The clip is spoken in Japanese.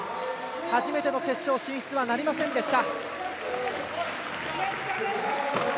初めての決勝進出はなりませんでした。